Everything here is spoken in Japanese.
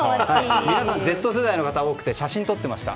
皆さん、Ｚ世代の方が多くて写真を撮ってました。